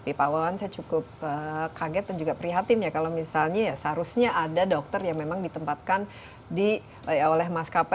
pak wawan saya cukup kaget dan juga prihatin ya kalau misalnya seharusnya ada dokter yang memang ditempatkan oleh maskapai